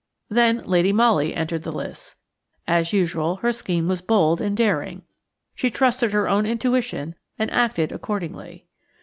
Then Lady Molly entered the lists. As usual, her scheme was bold and daring; she trusted her own intuition and acted accordingly.